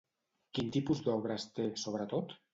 Quin tipus d'obres té, sobretot?